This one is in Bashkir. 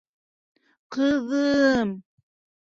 Ҡыҙым...